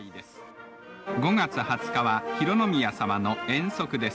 ５月２０日は浩宮さまの遠足です。